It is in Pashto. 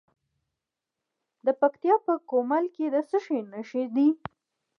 د پکتیکا په ګومل کې د څه شي نښې دي؟